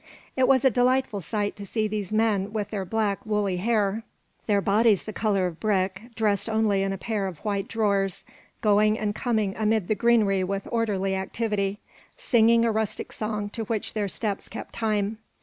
It was a delightful sight to see these men with their black, woolly hair, their bodies the colour of brick, dressed only in a pair of white drawers, going and coming amid the greenery with orderly activity, singing a rustic song to which their steps kept time.